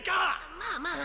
まあまあ。